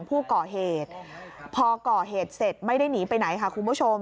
ผู้ก่อเหตุพอก่อเหตุเสร็จไม่ได้หนีไปไหนค่ะคุณผู้ชม